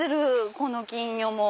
この金魚も。